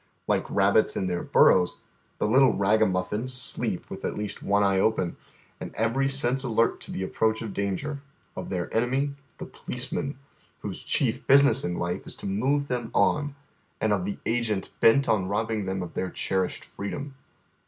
Like rabbits in their burrows, the little ragamuffins sleep with at least one eye open, and every sense alert to the appi'oaeli of danger : of their enemy, the policeman, whose chief business in life is to move them on, and of the agent bent on robbing them of their cherished freedom.